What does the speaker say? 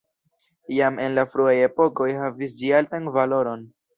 Jam en la fruaj epokoj havis ĝi altan valoron.